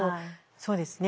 そうですね。